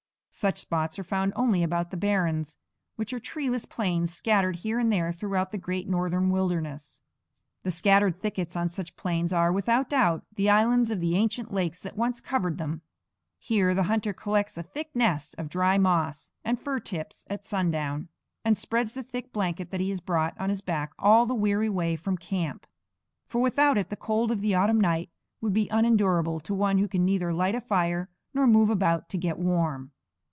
Such spots are found only about the barrens, which are treeless plains scattered here and there throughout the great northern wilderness. The scattered thickets on such plains are, without doubt, the islands of the ancient lakes that once covered them. Here the hunter collects a thick nest of dry moss and fir tips at sundown, and spreads the thick blanket that he has brought on his back all the weary way from camp; for without it the cold of the autumn night would be unendurable to one who can neither light a fire nor move about to get warm.